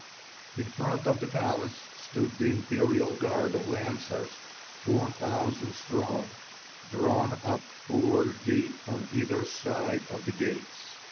In front of the palace stood the imperial guard of lancers, four thousand strong, drawn up four deep on either side of the gates.